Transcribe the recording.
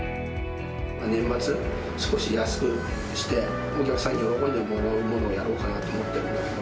年末、少し安くして、お客さんに喜んでもらうものをやろうかなと思ってるんだけど。